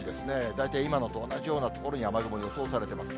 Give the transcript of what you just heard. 大体今の所と同じような所に雨雲予想されています。